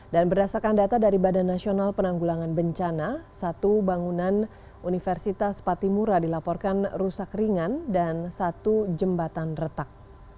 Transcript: dan berdasarkan data dari badan nasional penanggulangan bencana satu bangunan universitas patimura dilaporkan rusak ringan dan satu jembatan retak